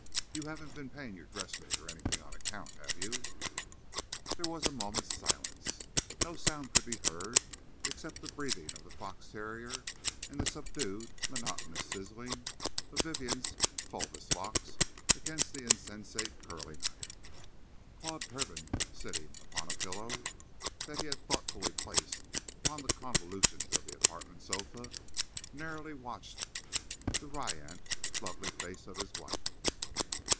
You haven't been paying your dressmaker anything on account, have you?" There was a moment's silence. No sounds could be heard except the breathing of the fox terrier, and the subdued, monotonous sizzling of Vivien's fulvous locks against the insensate curling irons. Claude Turpin, sitting upon a pillow that he had thoughtfully placed upon the convolutions of the apartment sofa, narrowly watched the riante, lovely face of his wife.